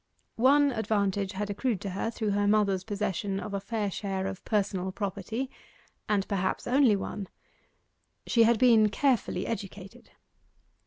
One advantage had accrued to her through her mother's possession of a fair share of personal property, and perhaps only one. She had been carefully educated.